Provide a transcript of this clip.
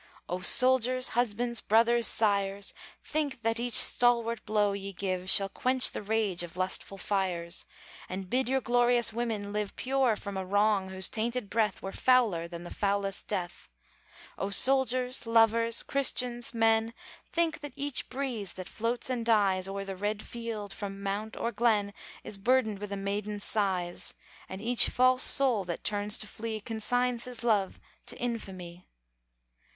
O soldiers, husbands, brothers, sires! Think that each stalwart blow ye give Shall quench the rage of lustful fires, And bid your glorious women live Pure from a wrong whose tainted breath Were fouler than the foulest death. O soldiers, lovers, Christians, men! Think that each breeze that floats and dies O'er the red field, from mount or glen, Is burdened with a maiden's sighs And each false soul that turns to flee, Consigns his love to infamy!